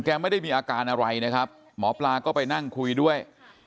ไม่ได้มีอาการอะไรนะครับหมอปลาก็ไปนั่งคุยด้วย